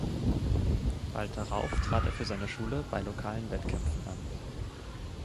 Bald darauf trat er für seine Schule bei lokalen Wettkämpfen an.